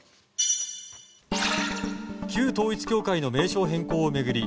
旧統一教会の名称変更を巡り